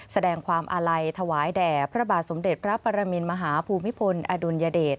แสดงความอาลัยถวายแด่พระบาทสมเด็จพระปรมินมหาภูมิพลอดุลยเดช